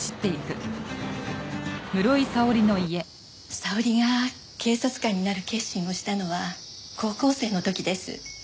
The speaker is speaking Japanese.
沙織が警察官になる決心をしたのは高校生の時です。